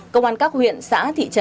công an các huyện xã thị trần